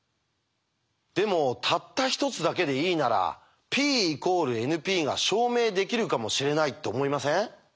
でもたった一つだけでいいならＰ＝ＮＰが証明できるかもしれないと思いません？